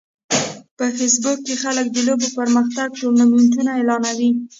په فېسبوک کې خلک د لوبو مختلف ټورنمنټونه اعلانوي